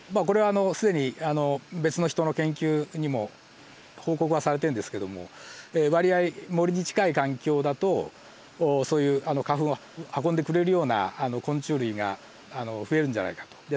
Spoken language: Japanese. これは既に別の人の研究にも報告はされてるんですけども割合森に近い環境だとそういう花粉を運んでくれるような昆虫類が増えるんじゃないかと。